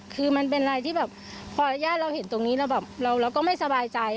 คือมันเป็นอะไรที่แบบพอญาติเราเห็นตรงนี้เราแบบเราก็ไม่สบายใจ